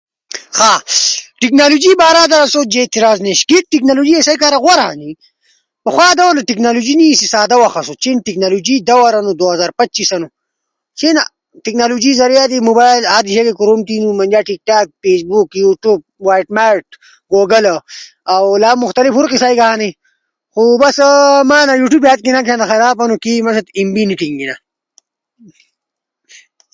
ٹیکنالوجی بارہ در اوسو خجے اعتراض نیش۔ کے ٹیکنالوجی غورا ہنی۔ پخوا دور ٹیکنالوجی نیشے۔ سادا دور اسُو۔ چین ٹیکنالوجی دور ہنو انا دور در ٹیکنالوجی لالی فائدے ہنی۔ دوہزار پچیس ہنو۔ چین موبائلو زریعہ در ہر نمونا کوروم تھینو منجا تی ٹک تاک فیسبک، یوٹیبوب، ویٹمیڈ واٹس ایپ۔ اؤ لا مختلف ہور قصہ ئی گا ہنی۔ کو ما یوٹیوب ہات لالو خراب ہنو کے ما ایم بی نی ٹینگینا۔